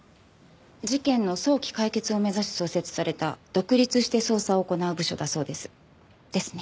事件の早期解決を目指し創設された独立して捜査を行う部署だそうです。ですね？